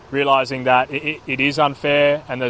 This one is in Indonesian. saya pikir terutama bagi orang wanita